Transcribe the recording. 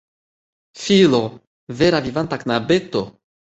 Filo! Vera vivanta knabeto!